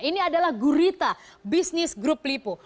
ini adalah gurita bisnis grup lipo